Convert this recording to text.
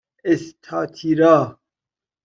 اِستاتیرا